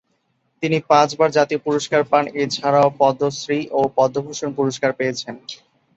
তিনি পাঁচ বার জাতীয় পুরস্কার পান, এছারাও পদ্মশ্রী এবং পদ্মভূষণ পুরস্কার পেয়েছেন।